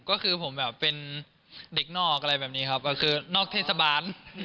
ก็คือผมแบบเป็นเด็กนอกอะไรแบบนี้ครับก็คือนอกเทศบาล